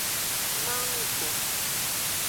Manggo.